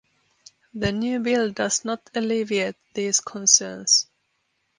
The new Bill does not alleviate these concerns.